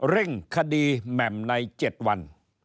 เร่งคดีแหม่มใน๗วัน